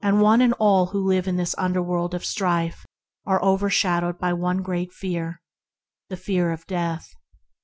One and all who live in this under world of strife are overshadowed by one great fear — the fear of death.